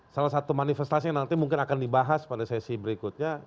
salah satu manifestasi yang nanti mungkin akan dibahas pada sesi berikutnya